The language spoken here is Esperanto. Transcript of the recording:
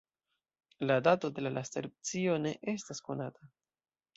La dato de la lasta erupcio ne estas konata.